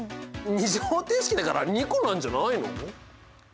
２次方程式だから２個なんじゃないの？